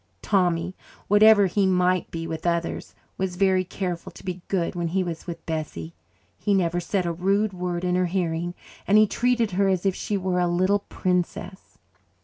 Tommy, whatever he might be with others, was very careful to be good when he was with Bessie. He never said a rude word in her hearing, and he treated her as if she were a little princess.